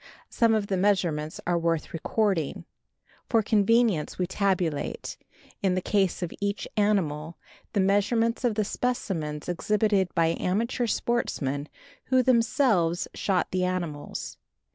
Some of the measurements are worth recording. For convenience we tabulate, in the case of each animal, the measurements of the specimens exhibited by amateur sportsmen who themselves shot the animals.